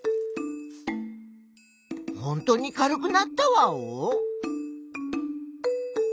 ホントに軽くなったワオ？